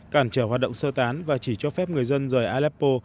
cản trở hoạt động sơ tán và chỉ cho phép người dân rời aleppo